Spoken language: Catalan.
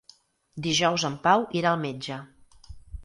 Dijous en Pau irà al metge.